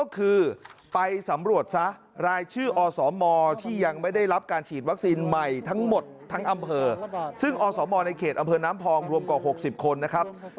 เกือบน้ำพองรวมกว่า๖๐คน